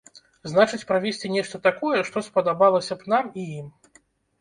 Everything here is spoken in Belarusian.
Значыць правесці нешта такое, што спадабалася б нам і ім.